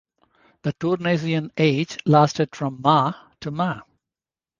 The Tournaisian age lasted from Ma to Ma.